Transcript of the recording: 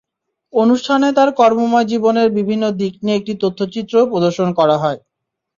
অনুষ্ঠানে তাঁর কর্মময় জীবনের বিভিন্ন দিক নিয়ে একটি তথ্যচিত্রও প্রদর্শন করা হয়।